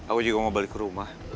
aku juga mau balik ke rumah